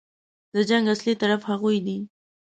د جنګ اصلي طرف هغوی دي.